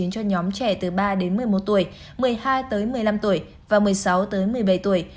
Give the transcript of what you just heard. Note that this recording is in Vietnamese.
cho nhóm trẻ từ ba đến một mươi một tuổi một mươi hai một mươi năm tuổi và một mươi sáu một mươi bảy tuổi